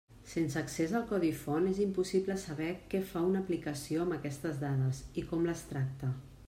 Sense accés al codi font és impossible saber què fa una aplicació amb aquestes dades, i com les tracta.